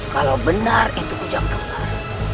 kalau benar itu hujan kembar